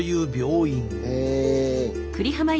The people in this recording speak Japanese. へえ。